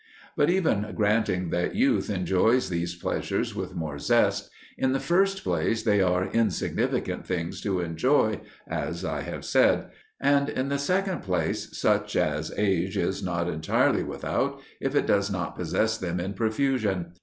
But even granting that youth enjoys these pleasures with more zest; in the first place, they are insignificant things to enjoy, as I have said; and in the second place, such as age is not entirely without, if it does not possess them in profusion.